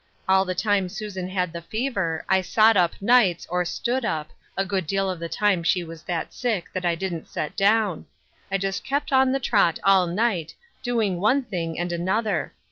All the time Susan had the fever I sot up nights, or stood up — a good deal of the time she was that sick that I didn't set down ; I jest kept on the trot all night, doing one thing and another.